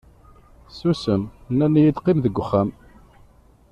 Susem, nnan-iyi-d qqim deg uxxam.